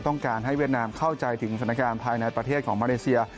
ต้องการให้เวียดนามเข้าใจถึงสถานการณ์ภายในประเทศของมาเลเซีย